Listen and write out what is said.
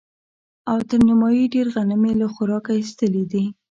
او تر نيمايي ډېر غنم يې له خوراکه ايستلي دي.